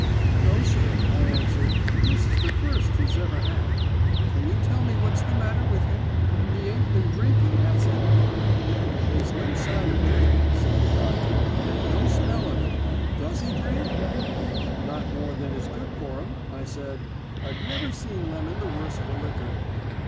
"'No, sir,' I answered; 'this is the first he's ever had. Can you tell me what's the matter with him? He ain't been drinking, has he?' "There's no sign of drink,' said the doctor, 'and no smell of it. Does he drink?' "'Not more than is good for him,' I said. 'I've never seen Lemon the worse for liquor.'